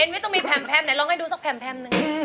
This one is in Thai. ไม่ต้องมีแพมไหนลองให้ดูสักแพมหนึ่ง